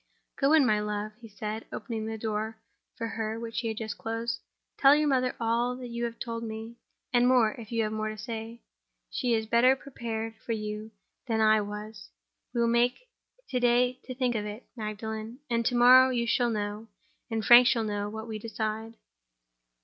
"Go in, my love," he said, opening the door for her which he had just closed. "Tell your mother all you have told me—and more, if you have more to say. She is better prepared for you than I was. We will take to day to think of it, Magdalen; and to morrow you shall know, and Frank shall know, what we decide."